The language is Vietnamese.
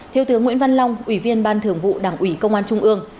thiếu tướng nguyễn văn long ủy viên ban thường vụ đảng ủy công an trung ương